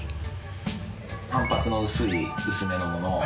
反発の薄い薄めのもの。